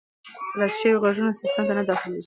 رد شوي ږغونه سیسټم ته نه داخلیږي.